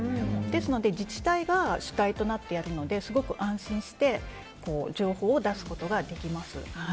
ですので自治体が主体となってやるのですごく安心して情報を出すことができます。